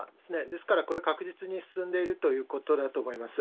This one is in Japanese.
ですから、これは確実に進んでいるということだと思います。